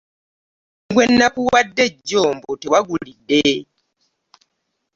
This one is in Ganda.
Ne gwe nnakuwadde jjo mbu tewagulidde!